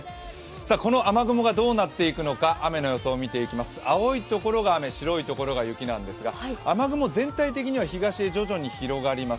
この雨雲がどうなっていくのか、雨の予想を見ていきますと青いところが雨、白いところが雪なんですが雨雲、全体的には東へどんどん広がります。